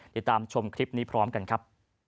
ติดตามชมคลิปนี้พร้อมกันครับ